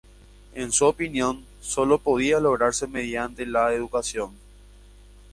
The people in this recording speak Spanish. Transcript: En su opinión, sólo podía lograrse mediante la educación.